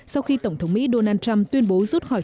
sau khi tổng thống mỹ donald trump tuyên bố rút khỏi